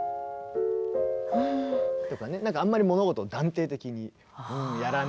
なんかあんまり物事を断定的にやらない。